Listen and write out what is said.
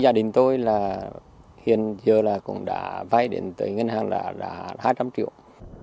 gia đình tôi hiện giờ cũng đã vay đến tới ngân hàng